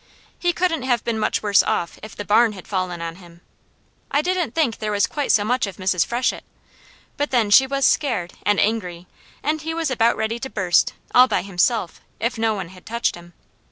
He couldn't have been much worse off if the barn had fallen on him. I didn't think there was quite so much of Mrs. Freshett; but then she was scared, and angry; and he was about ready to burst, all by himself, if no one had touched him.